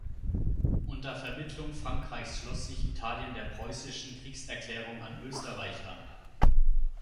Unter Vermittlung Frankreichs schloss sich Italien der preußischen Kriegserklärung an Österreich an.